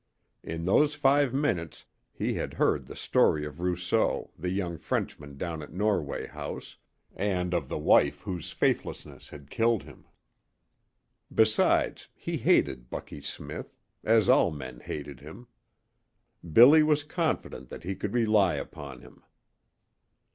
In those five minutes he had heard the story of Rousseau, the young Frenchman down at Norway House, and of the wife whose faithlessness had killed him. Besides, he hated Bucky Smith, as all men hated him. Billy was confident that he could rely upon him.